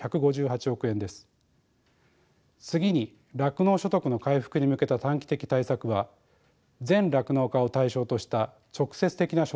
次に酪農所得の回復に向けた短期的対策は全酪農家を対象とした直接的な所得補償です。